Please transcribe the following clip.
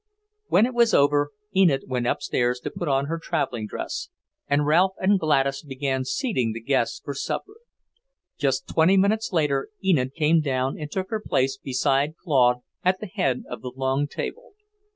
When it was over, Enid went upstairs to put on her travelling dress, and Ralph and Gladys began seating the guests for supper. Just twenty minutes later Enid came down and took her place beside Claude at the head of the long table.